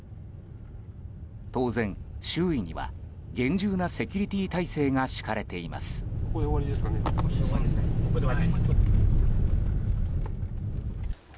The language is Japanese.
当然、周囲には厳重なセキュリティー態勢が敷かれています。